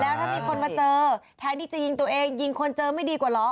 แล้วถ้ามีคนมาเจอแทนที่จะยิงตัวเองยิงคนเจอไม่ดีกว่าเหรอ